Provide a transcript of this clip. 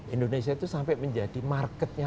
indonesia itu sampai menjadi marketnya